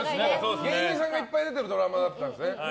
芸人さんがいっぱい出てるドラマだったんだよね。